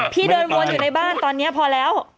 พี่เดินวนอยู่ในบ้านตอนนี้พอแล้ว